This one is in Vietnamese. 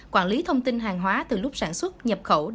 quản lý thông tin hàng hóa từ lúc sản xuất nhập khẩu